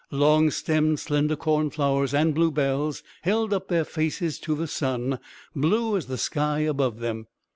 Long stemmed, slender cornflowers and bluebells held up their faces to the sun, blue as the sky above them.